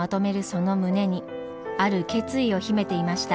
その胸にある決意を秘めていました。